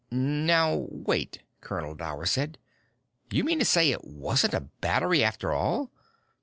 "Now wait " Colonel Dower said. "You mean to say it wasn't a battery after all?"